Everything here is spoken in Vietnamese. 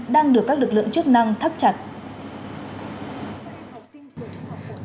đang được các lực lượng chức năng thấp chặt